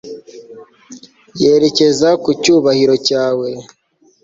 Yerekeza ku cyubahiro cyawe